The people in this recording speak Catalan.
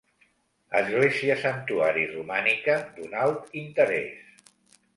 Església- Santuari romànica d'un alt interès.